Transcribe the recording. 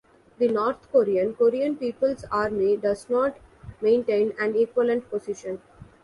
The North Korean Korean People's Army does not maintain an equivalent position.